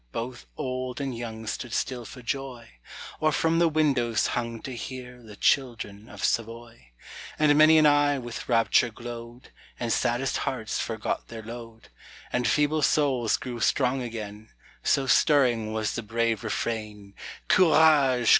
Both old and young stood still for joy; Or from the windows hung to hear The children of Savoy: And many an eye with rapture glowed, And saddest hearts forgot their load, And feeble souls grew strong again, So stirring was the brave refrain Courage!